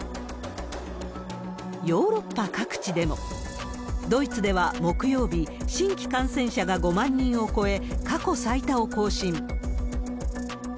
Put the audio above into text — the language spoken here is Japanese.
ヨーロッパ各地でも、ドイツでは木曜日、新規感染者が５万人を超え、過去最多を更新。